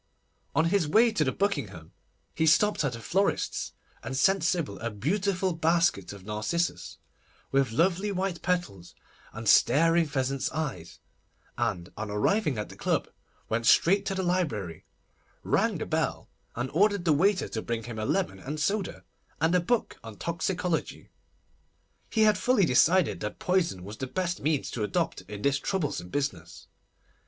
On his way to the Buckingham, he stopped at a florist's, and sent Sybil a beautiful basket of narcissus, with lovely white petals and staring pheasants' eyes, and on arriving at the club, went straight to the library, rang the bell, and ordered the waiter to bring him a lemon and soda, and a book on Toxicology. He had fully decided that poison was the best means to adopt in this troublesome business.